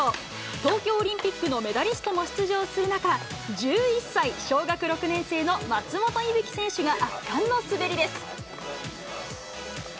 東京オリンピックのメダリストも出場する中、１１歳、小学６年生の松本雪聖選手が圧巻の滑りです。